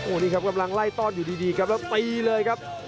นี่ครับกำลังไล่ต้อนอยู่ดีครับแล้วตีเลยครับ